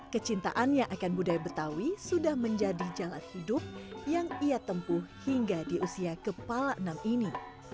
kecintaannya akan budaya betawi sudah menjadi jalan hidup yang ia tempuh hingga di usia kepala enam ini